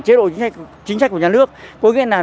chế độ chính sách của nhà nước có nghĩa là